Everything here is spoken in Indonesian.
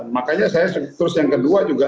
makanya saya terus yang kedua juga